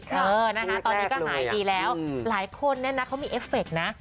ตอนนี้ก็หายดีแล้วหลายคนเขามีเอฟเฟกต์นะ